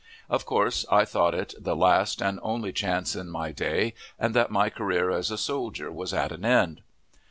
Of course, I thought it the last and only chance in my day, and that my career as a soldier was at an end.